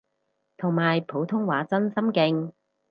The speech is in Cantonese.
同埋普通話真心勁